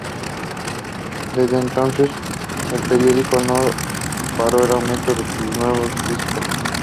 Desde entonces, el periódico no paró el aumento de su número de visitas.